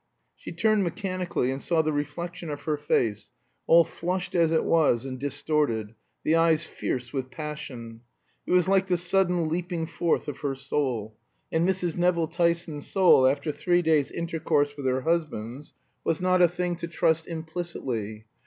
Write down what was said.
She turned mechanically and saw the reflection of her face, all flushed as it was and distorted, the eyes fierce with passion. It was like the sudden leaping forth of her soul; and Mrs. Nevill Tyson's soul, after three days' intercourse with her husband's, was not a thing to trust implicitly.